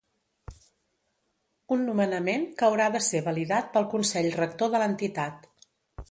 Un nomenament que haurà de ser validat pel consell rector de l’entitat.